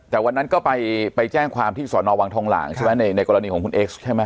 แต่วันนั้นก็ไปแจ้งความที่สอนอวังทองหลางใช่ไหมในกรณีของคุณเอ็กซ์ใช่ไหม